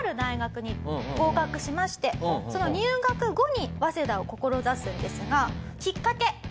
その入学後に早稲田を志すんですがきっかけ。